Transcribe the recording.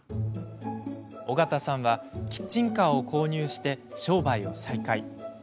尾形さんはキッチンカーを購入して、商売を再開。